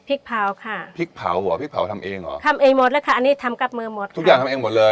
เผาค่ะพริกเผาเหรอพริกเผาทำเองเหรอทำเองหมดแล้วค่ะอันนี้ทำกับมือหมดค่ะทุกอย่างทำเองหมดเลย